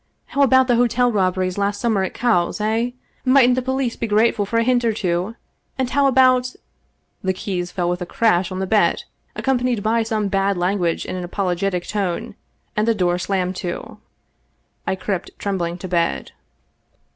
How about the hotel robberies last summer at Cowes, eh? Mightn't the police be grateful for a hint or two? And how about " The keys fell with a crash on the bed, accompanied by some bad language in an apologetic tone, and the door slammed to. I crept trembling to bed.